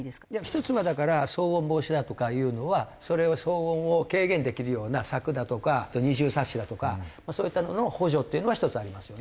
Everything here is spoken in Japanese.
１つはだから騒音防止だとかいうのは騒音を軽減できるような柵だとか二重サッシだとかそういったものの補助っていうのは１つありますよね。